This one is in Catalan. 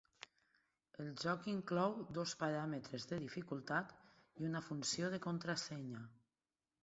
El joc inclou dos paràmetres de dificultat i una funció de contrasenya.